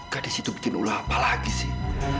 gadis itu bikin ulah apa lagi sih